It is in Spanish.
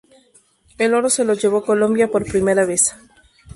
El oro se lo llevó Colombia por primera vez.